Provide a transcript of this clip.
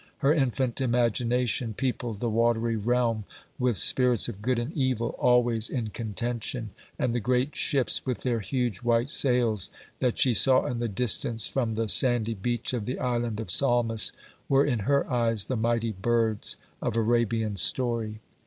Her infant imagination peopled the watery realm with spirits of good and evil always in contention, and the great ships, with their huge white sails, that she saw in the distance from the sandy beach of the Island of Salmis, were in her eyes the mighty birds of Arabian story.